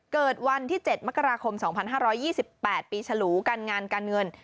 เกิดวันที่๗มกราคม๒๕๒๘ปีฉลูการงานการเงิน